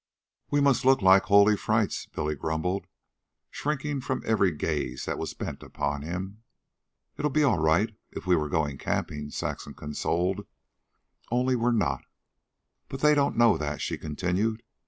"We must look like holy frights," Billy grumbled, shrinking from every gaze that was bent upon him. "It'd be all right, if we were going camping," Saxon consoled. "Only we're not." "But they don't know that," she continued.